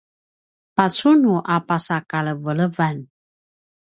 pacunu a pasa kalevelevan